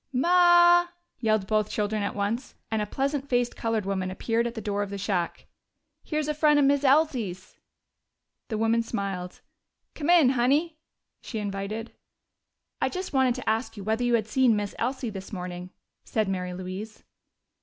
"Ma!" yelled both children at once, and a pleasant faced colored woman appeared at the door of the shack. "Here's a frien' of Miz Elsie's!" The woman smiled. "Come in, Honey," she invited. "I just wanted to ask you whether you had seen Miss Elsie this morning," said Mary Louise.